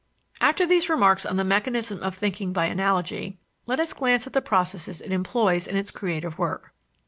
After these remarks on the mechanism of thinking by analogy, let us glance at the processes it employs in its creative work.